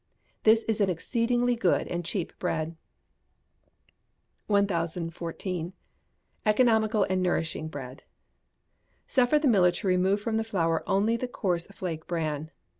This is an exceedingly good and cheap bread. 1014. Economical and Nourishing Bread. Suffer the miller to remove from the flour only the coarse flake bran.